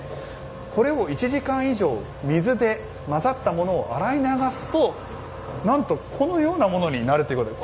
これを１時間以上、水で混ざったものを洗い流すと、なんとこのようなものになるということで。